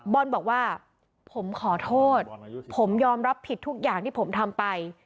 บอลบอกว่าผมขอโทษผมยอมรับผิดทุกอย่างที่ผมทำไป